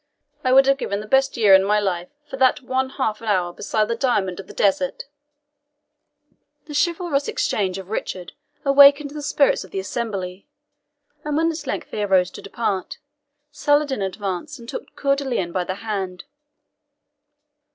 "I would have given the best year in my life for that one half hour beside the Diamond of the Desert!" The chivalrous extravagance of Richard awakened the spirits of the assembly, and when at length they arose to depart Saladin advanced and took Coeur de Lion by the hand.